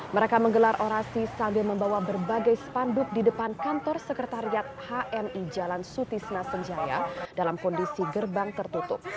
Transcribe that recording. mereka menggelar orasi sambil membawa berbagai spanduk di depan kantor sekretariat hmi jalan sutisna senjaya dalam kondisi gerbang tertutup